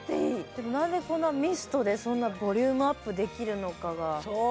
でも何でこんなミストでそんなボリュームアップできるのかがそう！